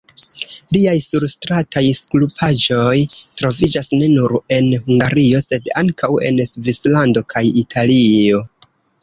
Liaj surstrataj skulptaĵoj troviĝas ne nur en Hungario, sed ankaŭ en Svislando kaj Italio.